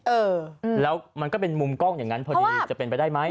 เออแล้วมันก็เป็นมุมกล้องอย่างนั้นพอดีจะเป็นไปได้ไหม